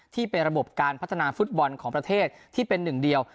ที่เป็นระบบการพัฒนาฟุตบอลของประเทศที่เป็นหนึ่งเดียว